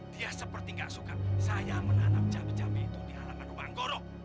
dia seperti gak suka saya menanam jambi jambi itu di alam rumah anggoro